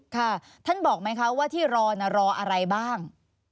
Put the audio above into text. ค่ะท่านบอกไหมคะว่าที่รอรออะไรบ้าง